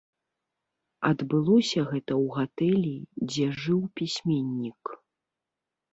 Адбылося гэта ў гатэлі, дзе жыў пісьменнік.